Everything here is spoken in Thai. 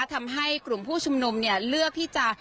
ทำให้กลุ่มผู้ชุมนุมเนี่ยเลือกที่จะ